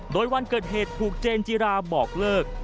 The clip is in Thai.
โดยวันเกิดเหตุถูกเจนจิราบอกเลิก